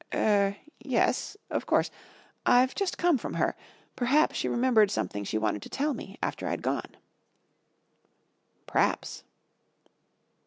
"Er yes. Of course. I've just come from her. Perhaps she remembered something she wanted to tell me after I'd gone." "P'raps."